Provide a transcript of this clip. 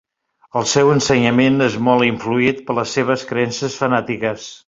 El seu ensenyament és molt influït per les seves creences fanàtiques.